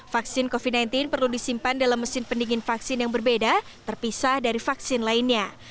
vaksin covid sembilan belas perlu disimpan dalam mesin pendingin vaksin yang berbeda terpisah dari vaksin lainnya